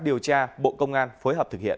điều tra bộ công an phối hợp thực hiện